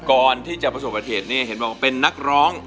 ก่อนที่จะประสบเหตุนี้เห็นบอกว่าเป็นนักร้อง